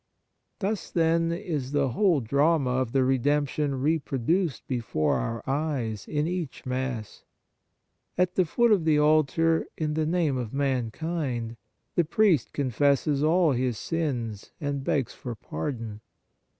Thus, then, is the whole drama of the Redemption reproduced before our eyes in each Mass. At the foot of the altar, in the name of mankind, the priest confesses all his sins and begs for pardon.